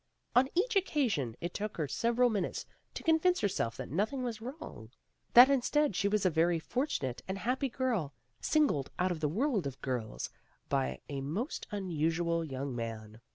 On each occasion it took her several minutes to convince herself that nothing was wrong, that instead she was a very fortunate and happy girl, singled out of the world of girls by a most unusual young man.